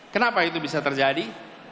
kenapa itu bisa terjadi